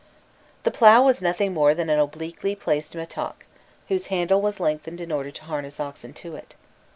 The plough was nothing more than an obliquely placed mattock, whose handle was lengthened in order to harness oxen to it.